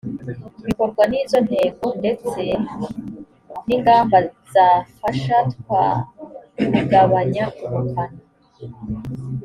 bikorwa ry izo ntego ndetse n ingamba zafasha twa kugabanya ubukana